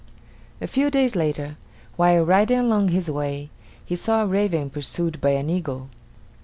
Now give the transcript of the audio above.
A few days later, while riding along his way, he saw a raven pursued by an eagle.